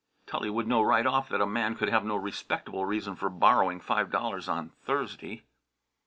Tully would know right off that a man could have no respectable reason for borrowing five dollars on Thursday.